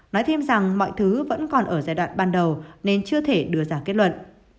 nói thêm rằng mọi thứ vẫn còn ở giai đoạn ban đầu nên chưa thể đưa ra kết luận